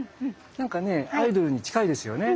何かねアイドルに近いですよね。